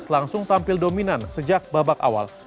langsung tampil dominan sejak babak awal